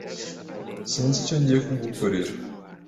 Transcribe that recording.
Sinzi icyo ngiye kugukorera.